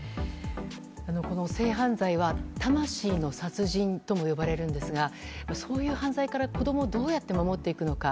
性犯罪は魂の殺人とも呼ばれるんですがそういう犯罪から子供をどうやって守っていくのか。